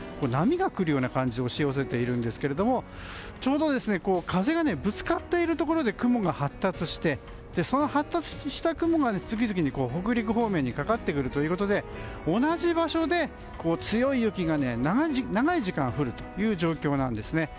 波がくるような感じで押し寄せているんですがちょうど風がぶつかっているところで雲が発達してその発達した雲が次々に北陸方面にかかってくるということで同じ場所で強い雪が長い時間降る状況なんですね。